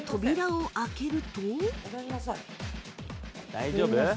大丈夫？